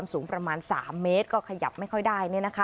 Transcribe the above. สูงประมาณ๓เมตรก็ขยับไม่ค่อยได้